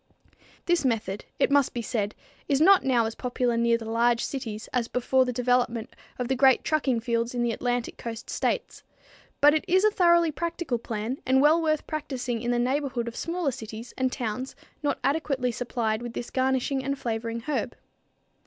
This method, it must be said, is not now as popular near the large cities as before the development of the great trucking fields in the Atlantic coast states; but it is a thoroughly practical plan and well worth practicing in the neighborhood of smaller cities and towns not adequately supplied with this garnishing and flavoring herb.